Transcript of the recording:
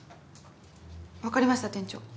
分かりました店長